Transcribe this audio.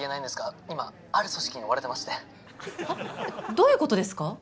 どういうことですか？